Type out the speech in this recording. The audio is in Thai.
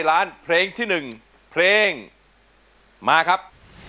สมาธิพร้อมเพลงที่๑เพลงมาครับ